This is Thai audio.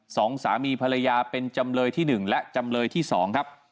สองสามีภรรยาเป็นจำเลยที่หนึ่งและจำเลยที่สองครับ